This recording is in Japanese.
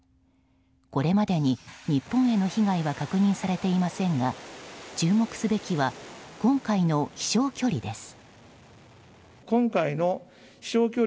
これまでに日本への被害は確認されていませんが注目すべきは今回の飛翔距離です。